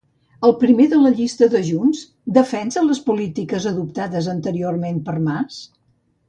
El primer de la llista de Junts defensa les polítiques adoptades anteriorment per Mas?